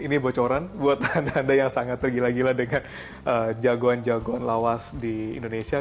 ini bocoran buat anda anda yang sangat tergila gila dengan jagoan jagoan lawas di indonesia